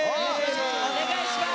お願いします。